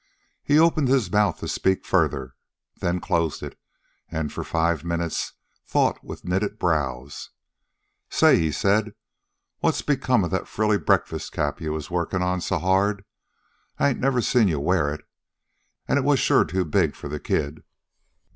He opened his mouth to speak further, then closed it and for five minutes thought with knitted brows. "Say," he said, "what's become of that frilly breakfast cap you was workin' on so hard, I ain't never seen you wear it, and it was sure too big for the kid."